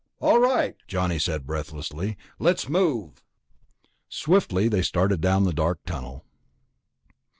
"All right," Johnny said breathlessly. "Let's move." Swiftly they started down the dark tunnel. 11.